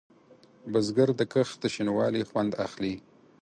بزګر د کښت د شین والي خوند اخلي